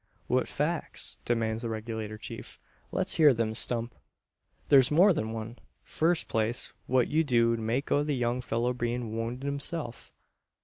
"What facts?" demands the Regulator Chief. "Let's hear them, Stump." "Thur's more than one. Fust place what do ye make o' the young fellur bein' wownded hisself?